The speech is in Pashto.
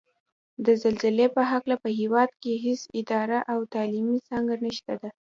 د زلزلې په هکله په هېواد کې هېڅ اداره او تعلیمي څانګه نشته ده